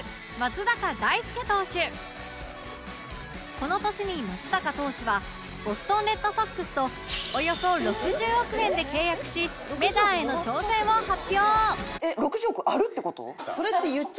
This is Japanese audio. この年に松坂投手はボストン・レッドソックスとおよそ６０億円で契約しメジャーへの挑戦を発表